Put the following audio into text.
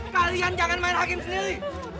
kalian jangan main hakim sendiri